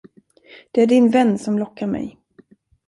Det är din vän, som lockar mig.